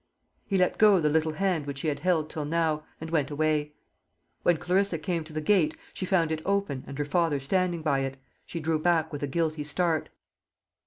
He let go the little hand which he had held till now, and went away. When Clarissa came to the gate, she found it open, and her father standing by it. She drew back with a guilty start.